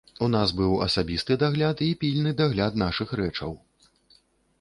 У нас быў асабісты дагляд і пільны дагляд нашых рэчаў.